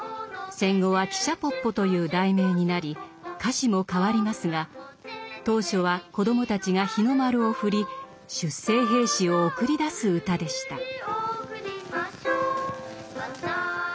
戦後は「汽車ポッポ」という題名になり歌詞も変わりますが当初は子どもたちが日の丸を振り出征兵士を送り出す歌でした。